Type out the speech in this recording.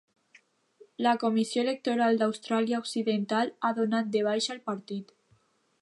La Comissió Electoral d"Austràlia Occidental ha donat de baixa el partit.